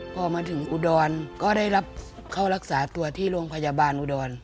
พอมาถึงอุดรก็ได้รับเข้ารักษาตัวที่โรงพยาบาลอุดร